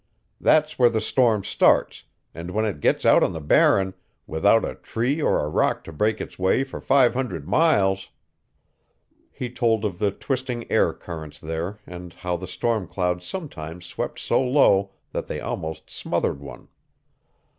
That's where the storm starts, and when it gets out on the Barren, without a tree or a rock to break its way for five hundred miles " He told of the twisting air currents there and how the storm clouds sometimes swept so low that they almost smothered one.